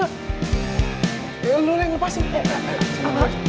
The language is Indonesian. lo yang lepasin